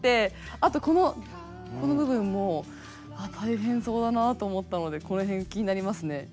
あとこの部分も大変そうだなと思ったのでこの辺気になりますね。